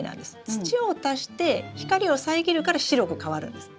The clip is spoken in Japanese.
土を足して光を遮るから白く変わるんです。